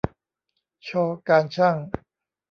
ช การช่าง